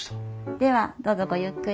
ではどうぞごゆっくり。